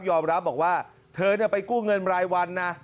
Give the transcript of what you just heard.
รับบอกว่าเธอไปกู้เงินรายวันนะ